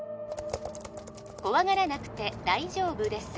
怖がらなくて大丈夫です